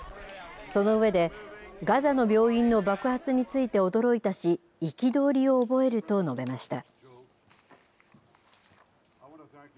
その上で、ガザの病院の爆発について驚いたし、憤りを覚えると述べました。